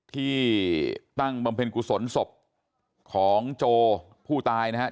ที่ตั้งบำเพ็ญกุศลศพของโจผู้ตายนะครับ